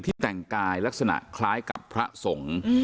แต่งกายลักษณะคล้ายกับพระสงฆ์